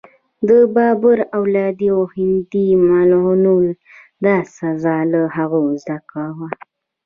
د بابر اولادې او هندي مغولو دا سزا له هغوی زده وه.